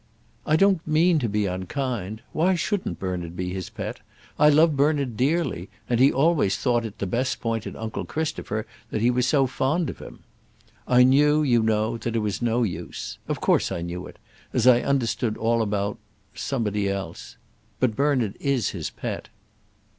"I don't mean to be unkind. Why shouldn't Bernard be his pet? I love Bernard dearly, and always thought it the best point in uncle Christopher that he was so fond of him. I knew, you know, that it was no use. Of course I knew it, as I understood all about somebody else. But Bernard is his pet."